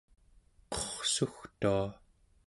qurrsugtua